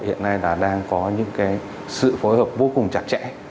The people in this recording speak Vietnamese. hiện nay đã đang có những sự phối hợp vô cùng chặt chẽ